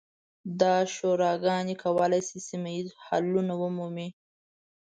دا شوراګانې کولی شي سیمه ییز حلونه ومومي.